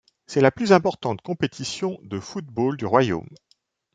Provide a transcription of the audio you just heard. C'est la plus importante compétition de football du royaume.